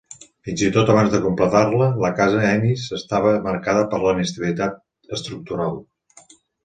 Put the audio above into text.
Fins i tot abans de completar-la, la casa Ennis estava marcada per la inestabilitat estructural.